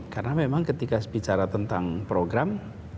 karena memang ketika bicara tentang program